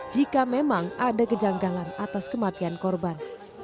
jika memang ada kejanggalan atas kematian korban